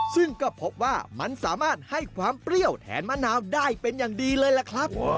ซึ่งก็พบว่ามันสามารถให้ความเปรี้ยวแทนมะนาวได้เป็นอย่างดีเลยล่ะครับ